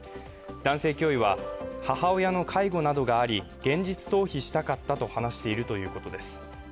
男性教諭は、母親の介護などがあり現実逃避したかったと話しているということです。